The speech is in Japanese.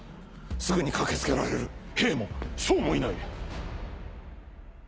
すぐに駆けつけられる兵も将もいない！